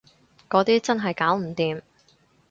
嗰啲真係搞唔掂